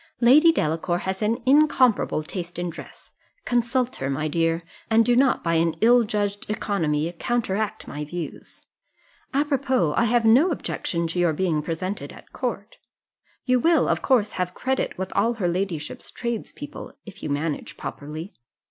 "Lady Delacour has an incomparable taste in dress: consult her, my dear, and do not, by an ill judged economy, counteract my views apropos, I have no objection to your being presented at court. You will, of course, have credit with all her ladyship's tradespeople, if you manage properly.